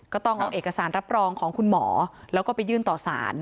ก็ต้องเอาเอกสารรับรองของคุณหมอแล้วก็ไปยื่นต่อสาร